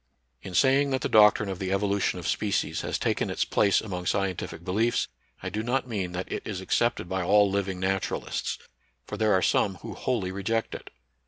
In saying that the doctrine of the evolution of species has taken its place among scientific beliefs, I do not mean that it is accepted by all living naturalists; for there are some who wholly reject it.